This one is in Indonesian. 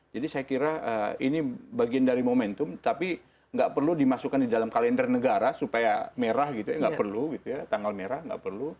jadi saya kira ini bagian dari momentum tapi nggak perlu dimasukkan di dalam kalender negara supaya merah gitu ya nggak perlu gitu ya tanggal merah nggak perlu